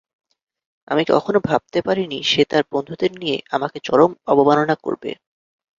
আমি কখনো ভাবতে পারিনি সে তার বন্ধুদের নিয়ে আমাকে চরম অবমাননা করবে।